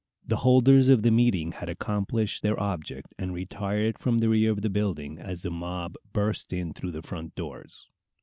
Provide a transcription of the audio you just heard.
The holders of the meeting had accomplished their object and retired from the rear of the building as the mob burst in through the front doors.